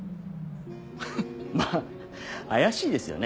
フッまぁ怪しいですよね。